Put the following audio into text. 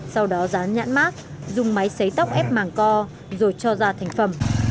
sau đó rán nhãn mát dùng máy xấy tóc ép màng co rồi cho ra thành phẩm